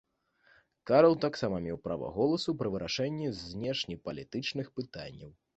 Карл таксама меў права голасу пры вырашэнні знешнепалітычных пытанняў.